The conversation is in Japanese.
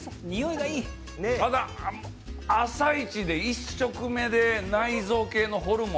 ただ朝イチで１食目で内臓系のホルモン